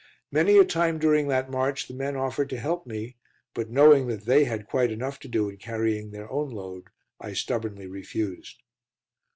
Many a time during that march the men offered to help me, but, knowing that they had quite enough to do in carrying their own load, I stubbornly refused.